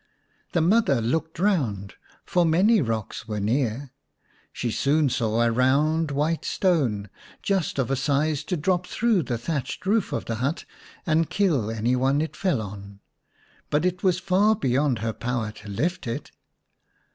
The mother looked around, for many rocks were near. She soon saw a round white stone, just of a size to drop through the thatched roof of the hut and kill any one it fell on. But it was far beyond her power to lift it.